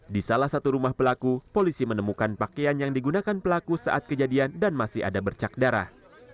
di salah satu rumah pelaku polisi menemukan pakaian yang digunakan pelaku saat kejadian dan masih ada bercak darah